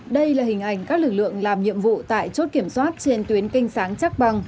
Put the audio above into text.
đây là hình ảnh các lực lượng làm nhiệm vụ tại chốt kiểm soát trên tuyến canh sáng chắc bằng